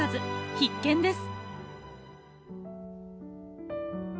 必見です。